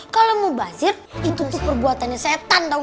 kalau mau bazir itu tuh perbuatannya setan tau gak